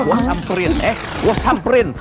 gue samperin eh gue samperin